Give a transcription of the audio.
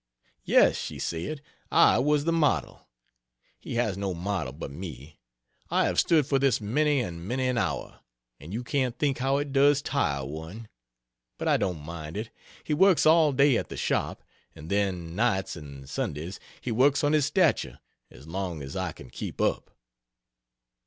"Yes," she said, "I was the model. He has no model but me. I have stood for this many and many an hour and you can't think how it does tire one! But I don't mind it. He works all day at the shop; and then, nights and Sundays he works on his statue as long as I can keep up."